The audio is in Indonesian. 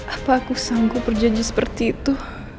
apa aku sanggup berjanji seperti itu